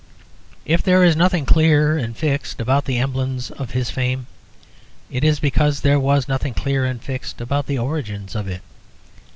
If there is nothing clear and fixed about the emblems of his fame, it is because there was nothing clear and fixed about the origins of it.